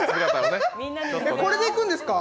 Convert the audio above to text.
え、これでいくんですか？